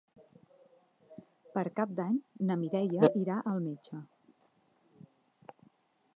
Per Cap d'Any na Mireia irà al metge.